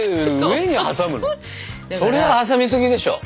それは挟みすぎでしょ！